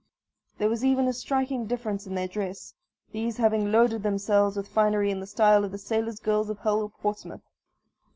There was even a striking difference in their dress, these having loaded themselves with finery in the style of the sailors' girls of Hull or Portsmouth.